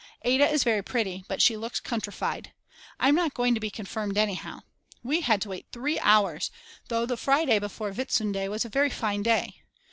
Ada is very pretty, but she looks countrified. I'm not going to be confirmed anyhow. We had to wait 3 hours, though the Friday before Whitsunday was a very fine day.